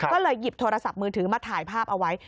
ก็เลยหยิบโทรศัพท์มือถือมาถ่ายภาพเอาไว้